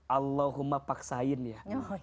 allahumma paksain ya